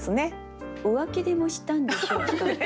浮気でもしたんでしょうか？